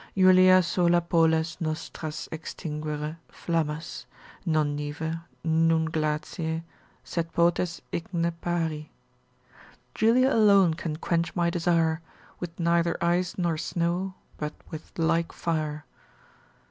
Julia sola poles nostras extinguere flammas, Non nive, nun glacie, sed potes igne pari. Julia alone can quench my desire, With neither ice nor snow, but with like fire.